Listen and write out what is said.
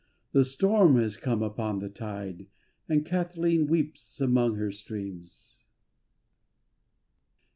The storm has come upon the tide And Cathleen weeps among her streams.